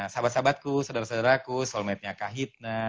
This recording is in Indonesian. sahabat sahabatku saudara saudaraku soulmate nya kak hidna